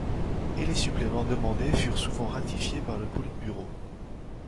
Et les suppléments demandés furent souvent ratifiés par le Politburo.